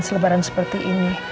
selebaran seperti ini